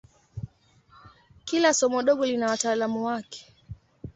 Kila somo dogo lina wataalamu wake.